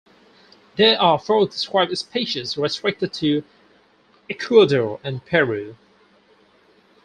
There are four described species restricted to Ecuador and Peru.